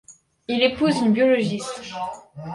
Il épouse une biologiste.